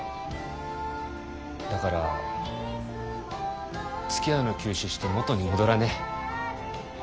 だからつきあうの休止して元に戻らね？